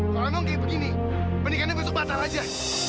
kalau emang kayak begini pendekannya masuk batal aja